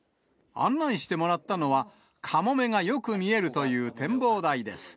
案内してもらったのは、カモメがよく見えるという展望台です。